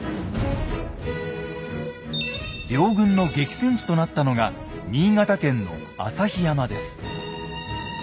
両軍の激戦地となったのが新潟県の朝日山です。